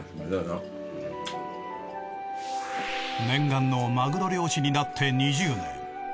念願のマグロ漁師になって２０年。